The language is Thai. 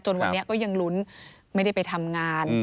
จนวันเนี่ยเขายังหลุนไม่ได้ไปทำงาน